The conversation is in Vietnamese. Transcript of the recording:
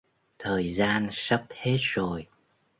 thời gian sắp hết rồi